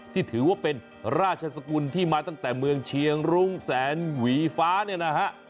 ที่ถือว่าเป็นราชสกุลที่มาตั้งแต่เมืองเชียงรุ้งแสนหวีฟ้าเนี่ยนะฮะ